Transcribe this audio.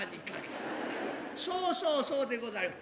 そうそうそうそうでございます。